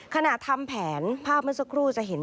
ทำแผนภาพเมื่อสักครู่จะเห็น